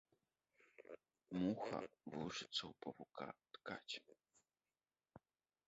Муха вучыцца ў павука ткаць.